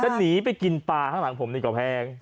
จะหนีไปกินปลาข้างหลังผมดีกว่าแพง